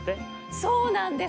そうなんです。